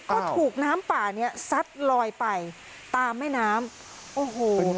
ก็ถูกน้ำป่าเนี้ยซัดลอยไปตามแม่น้ำโอ้โห